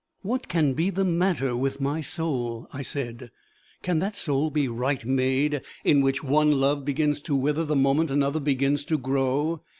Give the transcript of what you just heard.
"What can be the matter with my soul?" I said. "Can that soul be right made, in which one love begins to wither the moment another begins to grow?